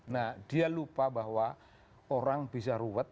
nah dia lupa bahwa orang bisa ruwet